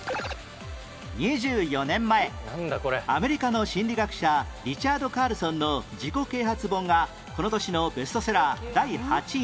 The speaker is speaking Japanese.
２４年前アメリカの心理学者リチャード・カールソンの自己啓発本がこの年のベストセラー第８位に